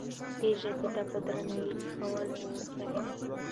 دې ژبې ته په درناوي قایل اوسئ.